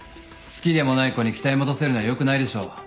好きでもない子に期待持たせるのはよくないでしょう。